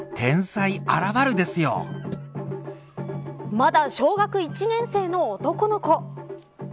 まだ小学１年生の男の子。